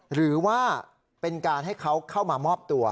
หรือว่าเป็นการให้เขาเข้ามามอบตัว